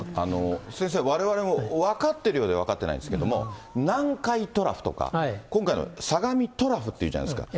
先生、われわれも分かってるようで分かってないんですけれども、南海トラフとか、今回の相模トラフっていうじゃないですか。